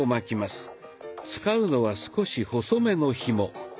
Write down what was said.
使うのは少し細めのひも。